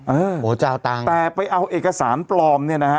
เออจะเอาตังค์แต่ไปเอาเอกสารปลอมเนี่ยนะฮะ